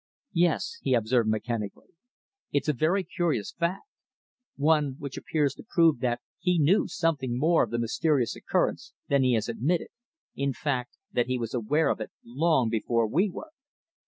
"Yes," he observed mechanically. "It's a very curious fact; one which appears to prove that he knew something more of the mysterious occurrence than he has admitted in fact, that he was aware of it long before we were."